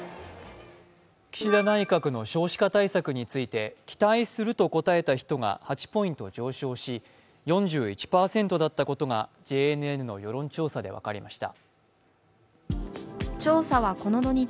岸田内閣の少子化対策について、期待すると答えた人が８ポイント上昇し４１％だったことがＪＮＮの世論調査で分かりました。